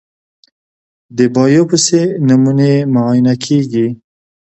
د بایوپسي نمونې معاینه کېږي.